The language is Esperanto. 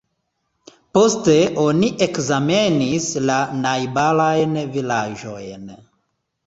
Poste oni ekzamenis la najbarajn vilaĝojn.